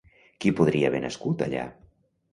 Qui podria haver nascut allà?